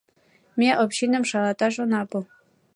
— Ме общиным шалаташ она пу!